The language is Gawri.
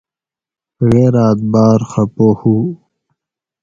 غیراۤت باۤر خپہ ہُو